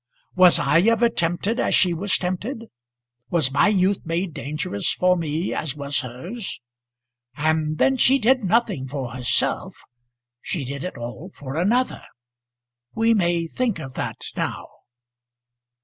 Was I ever tempted as she was tempted? Was my youth made dangerous for me as was hers? And then she did nothing for herself; she did it all for another. We may think of that now."